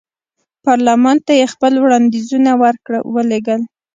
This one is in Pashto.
پارلمان ته یې خپل وړاندیزونه ور ولېږل.